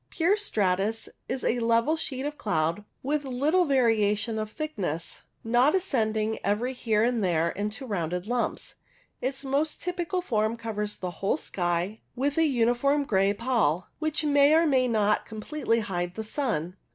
Pure stratus is a level sheet of cloud with little variation of thickness, not ascending every here and there into rounded lumps. Its most typical form covers the whole sky with a uniform grey pall, which may or may not completely hide the sun.